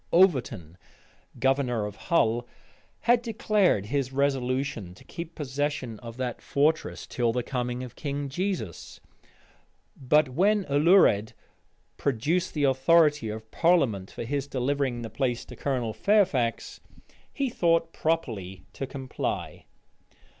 Overton, governor of Hull, had declared his resolution to keep possession of that fortress till the coming of King Jesus, but when Alured produced the authority of parliament for his delivering the place to Colonel Fairfax, he thought proper to comply.